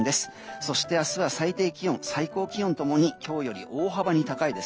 そして、明日は最低気温最高気温共に今日より大幅に高いです。